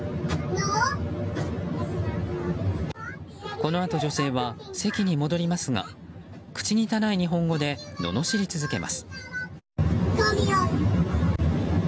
このあと女性は席に戻りますが口汚い日本語で罵り続けます。